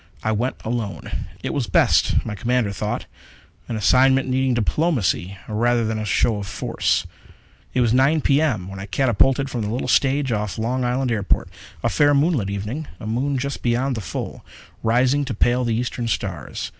I went alone; it was best, my commander thought. An assignment needing diplomacy rather than a show of force. It was 9 P. M. when I catapulted from the little stage of Long Island airport. A fair, moonlit evening a moon just beyond the full, rising to pale the eastern stars.